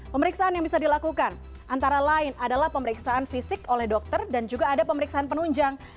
pemeriksaan yang bisa dilakukan antara lain adalah pemeriksaan fisik oleh dokter dan juga ada pemeriksaan penunjang